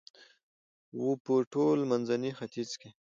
و په ټول منځني ختیځ کې